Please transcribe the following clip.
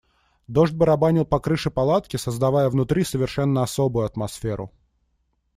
Дождь барабанил по крыше палатки, создавая внутри совершенно особую атмосферу.